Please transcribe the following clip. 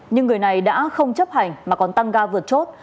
nhưng người này đã không chấp hành mà còn tăng ga vượt chốt